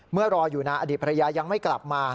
เมื่อรออยู่นะอดีตภรรยายังไม่กลับมา